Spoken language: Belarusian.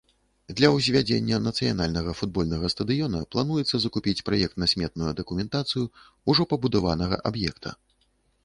Для ўзвядзення нацыянальнага футбольнага стадыёна плануецца закупіць праектна-сметную дакументацыю ўжо пабудаванага аб'екта.